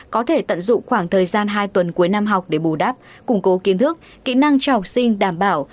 có thể tận dụng khoảng thời gian hai tuần cuối năm học để bù đáp củng cố kiến thức kỹ năng cho học sinh đảm bảo